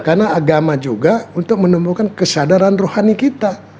karena agama juga untuk menemukan kesadaran rohani kita